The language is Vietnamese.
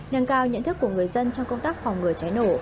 nâng cao nhận thức của người dân trong công tác phòng ngừa cháy nổ